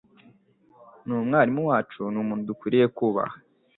Ni umwarimu wacu numuntu dukwiye kubaha.